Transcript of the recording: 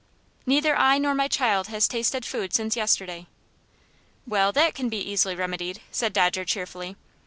"Neither I nor my child has tasted food since yesterday." "Well, that can be easily remedied," said Dodger, cheerfully.